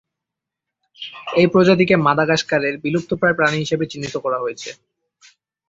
এই প্রজাতিকে মাদাগাস্কারের বিলুপ্তপ্রায় প্রাণী হিসেবে চিহ্নিত করা হয়েছে।